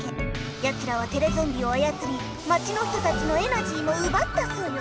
やつらはテレゾンビをあやつり町の人たちのエナジーもうばったソヨ！